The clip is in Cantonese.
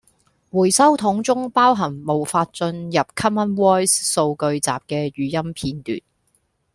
回收桶中包含無法進入 Common Voice 數據集既語音片段